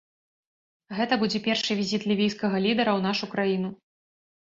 Гэта будзе першы візіт лівійскага лідэра ў нашу краіну.